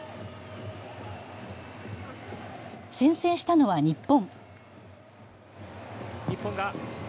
先制したのは日本。